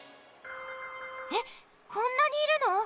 えっこんなにいるの？